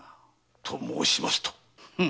と申しますと？